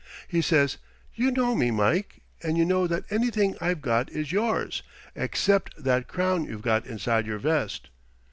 He says, 'You know me, Mike, and you know that anything I've got is yours except that crown you've got inside your vest.'